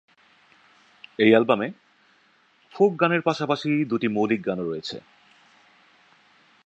এই অ্যালবামে ফোক গানের পাশাপাশি দুটি মৌলিক গানও রয়েছে।